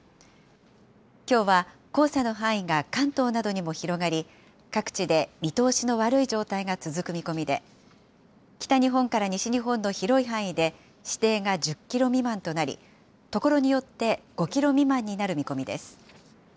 きょうは黄砂の範囲が関東などにも広がり、各地で見通しの悪い状態が続く見込みで、北日本から西日本の広い範囲で視程が１０キロ未満となり、所によって５キロ未満になる見込みです。